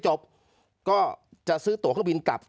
เจ้าหน้าที่แรงงานของไต้หวันบอก